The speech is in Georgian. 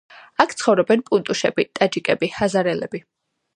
აქ ცხოვრობენ პუშტუნები, ტაჯიკები, ჰაზარელები.